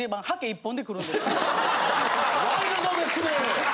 ワイルドですね。